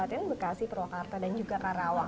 ada tiga kabupaten bekasi purwakarta dan juga karawang